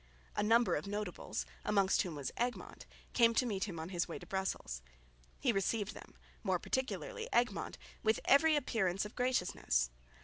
A number of notables, amongst whom was Egmont, came to meet him on his way to Brussels. He received them, more particularly Egmont, with every appearance of graciousness.